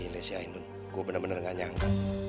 gila sih ayah nun gua bener bener nggak nyangka